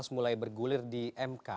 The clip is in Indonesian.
mulai bergulir di mk